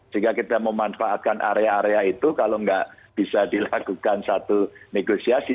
sehingga kita memanfaatkan area area itu kalau nggak bisa dilakukan satu negosiasi